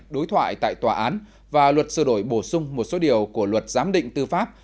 đối thoại tại tòa án và luật sửa đổi bổ sung một số điều của luật giám định tư pháp